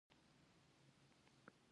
خو مور مې پرهېز راکړی و.